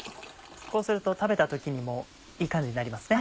こうすると食べた時にもいい感じになりますね。